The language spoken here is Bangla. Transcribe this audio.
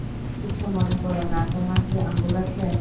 কিছু মনে কোরো না, তোমার কি আঙ্গুল আছে?